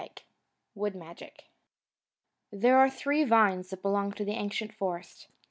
WOOD MAGIC There are three vines that belong to the ancient forest.